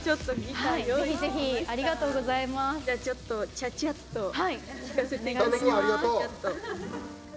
ちゃちゃっと弾かせていただきます。